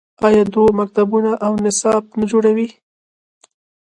آیا دوی مکتبونه او نصاب نه جوړوي؟